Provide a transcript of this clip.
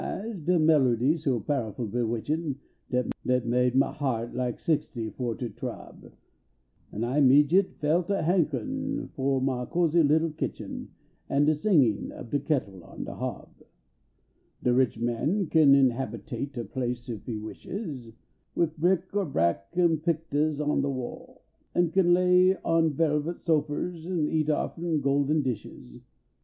ed de melerdy so powerful bewitchin Dat made mall heart like sixty fo ter t rob. An I mejiate fell a hank rin fo my coxy little kitchen An de siugin ob de kettle on de hob. i)e rich man can inhabitate a palace ei he wishes, \Vifbrick er brack and picluahs on de wall ; An kin lay on velvet sofers an eat ofFn golden dishes.